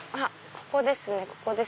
ここですね。